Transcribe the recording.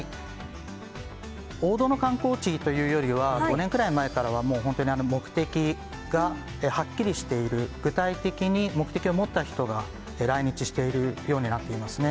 王道の観光地というよりは、５年くらい前からは、もう本当に、目的がはっきりしている、具体的に目的を持った人が来日しているようになっていますね。